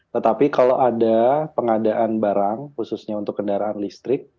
tetapi kalau ada pengadaan barang khususnya untuk kendaraan listrik